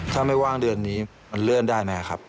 ถ้าไม่ว่างเดือนนี้มันเลื่อนได้ไหมครับ